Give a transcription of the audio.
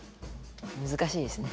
難しいですね。